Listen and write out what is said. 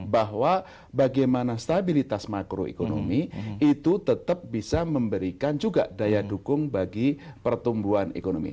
bahwa bagaimana stabilitas makroekonomi itu tetap bisa memberikan juga daya dukung bagi pertumbuhan ekonomi